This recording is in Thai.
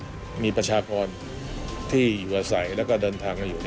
ก็มีประชากรที่อยู่อาศัยแล้วก็เดินทางมาอยู่